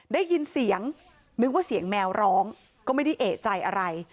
ได้ยินเสียงนึกว่าเสียงแมวร้องก็ไม่ได้เอกใจอะไร